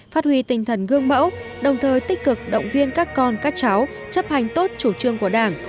phát huy tinh thần gương mẫu đồng thời tích cực động viên các con các cháu chấp hành tốt chủ trương của đảng